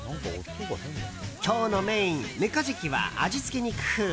今日のメインメカジキは味付けに工夫。